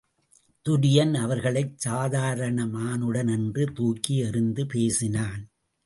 துரியன் அவர்களைச் சாதாரண மானுடன் என்று தூக்கி எறிந்து பேசினான்.